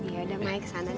iya dah maya kesana nih